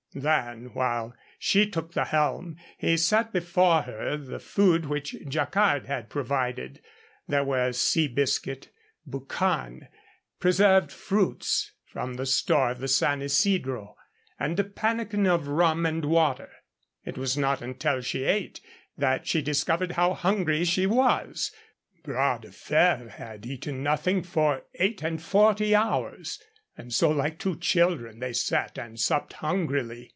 Then while she took the helm he set before her the food which Jacquard had provided. There were sea biscuit, boucan, preserved fruits from the store of the San Isidro, and a pannikin of rum and water. It was not until she ate that she discovered how hungry she was; Bras de Fer had eaten nothing for eight and forty hours. And so like two children they sat and supped hungrily.